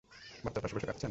বাচ্চার পাশে বসে কাঁদছেন?